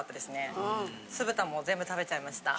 酢豚も全部食べちゃいました。